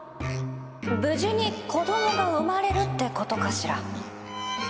「無事に子供が生まれる」ってことかしら？